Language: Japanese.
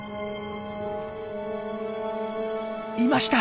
いました！